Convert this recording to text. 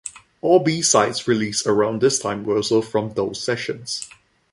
All B-sides released around this time were also from those sessions.